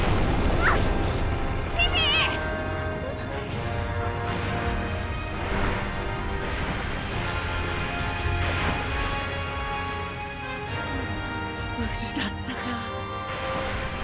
はあ無事だったか。